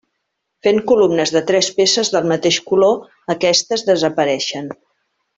Fent columnes de tres peces del mateix color, aquestes desapareixen.